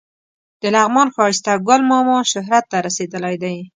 د لغمان ښایسته ګل ماما شهرت ته رسېدلی دی.